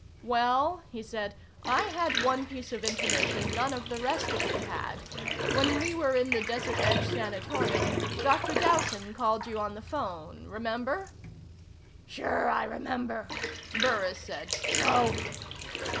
"Well," he said, "I had one piece of information none of the rest of you had. When we were in the Desert Edge Sanatorium, Dr. Dowson called you on the phone. Remember?" "Sure I remember," Burris said. "So?"